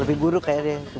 lebih buruk kayaknya